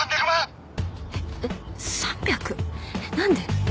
何で？